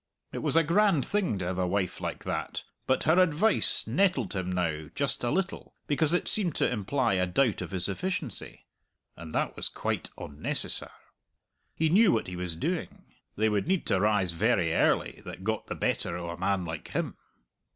It was a grand thing to have a wife like that, but her advice nettled him now just a little, because it seemed to imply a doubt of his efficiency and that was quite onnecessar. He knew what he was doing. They would need to rise very early that got the better o' a man like him!